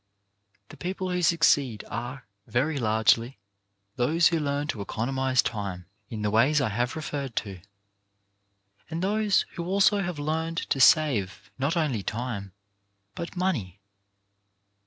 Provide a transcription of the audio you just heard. The people who succeed are, very largely, those who learn to economize time, in the ways I have referred to, and those who also have learned to save, not only time, but money.